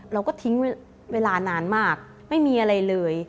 เราก็ทิ้งเวลานานมากไม่มีอะไรเลย